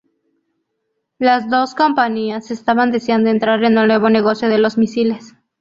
Las dos compañías estaban deseando entrar en el nuevo negocio de los misiles.